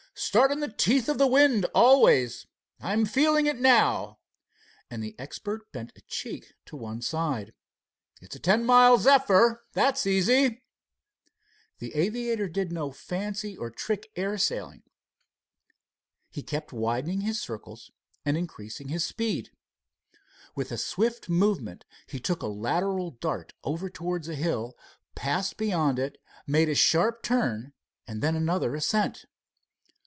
"Start in the teeth of the wind, always. I'm feeling it now," and the expert bent a cheek to one side. "It's a ten mile zephyr. That's easy." The aviator did no fancy or trick air sailing. He kept widening his circles and increasing his speed. With a swift movement he took a lateral dart over towards a hill, passed beyond it, made a sharp turn, and then another ascent.